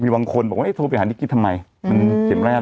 บางคนว่าโทรไปหานิกกี้ทำไมเห็นแรกเหรอไหม